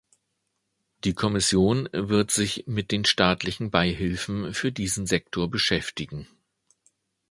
Die Kommission wird sich mit den staatlichen Beihilfen für diesen Sektor beschäftigen.